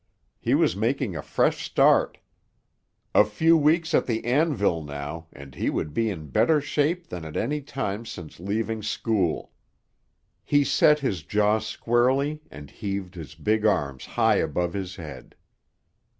He was making a fresh start. A few weeks at the anvil now, and he would be in better shape than at any time since leaving school. He set his jaw squarely and heaved his big arms high above his head.